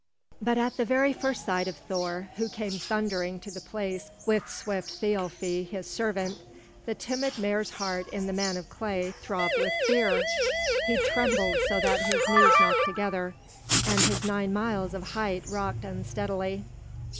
But at the very first sight of Thor, who came thundering to the place with swift Thialfi his servant, the timid mare's heart in the man of clay throbbed with fear; he trembled so that his knees knocked together, and his nine miles of height rocked unsteadily.